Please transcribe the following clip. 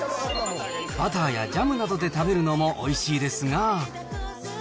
バターやジャムなどで食べるのもおいしいですが。